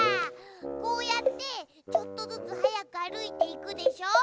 こうやってちょっとずつはやくあるいていくでしょ？